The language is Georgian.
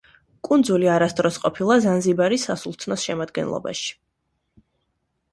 კუნძული არასდროს ყოფილა ზანზიბარის სასულთნოს შემადგენლობაში.